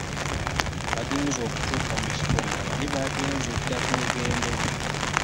Bagenze okutuuka mu kifo, nga bali bageenze dda ku mugendo.